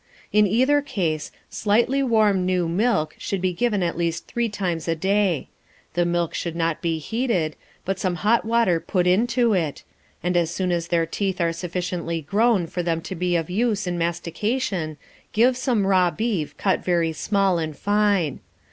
In either case, slightly warm new milk should be given at least three times a day; the milk should not be heated, but some hot water put to it, and as soon as their teeth are sufficiently grown for them to be of use in mastication give some raw beef cut very small and fine.